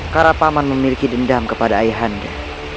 karena paman memiliki dendam kepada ayahanda